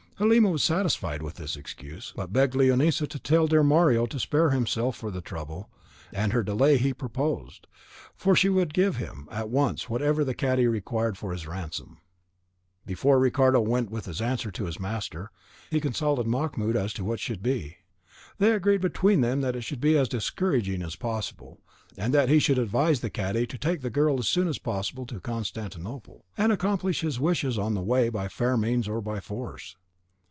Halima was satisfied with this excuse, but begged Leonisa to tell her dear Mario to spare himself the trouble and her the delay he proposed, for she would give him, at once, whatever the cadi required for his ransom. Before Ricardo went with his answer to his master, he consulted Mahmoud as to what it should be. They agreed between them that it should be as discouraging as possible, and that he should advise the cadi to take the girl as soon as possible to Constantinople, and accomplish his wishes on the way by fair means or by force.